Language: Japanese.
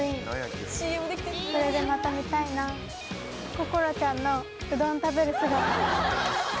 心ちゃんのうどん食べる姿。